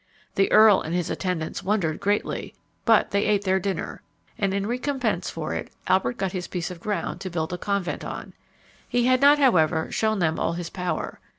The earl and his attendants wondered greatly; but they ate their dinner, and in recompense for it, Albert got his piece of ground to build a convent on. He had not, however, shewn them all his power.